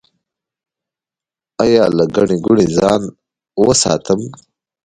ایا له ګڼې ګوڼې ځان وساتم؟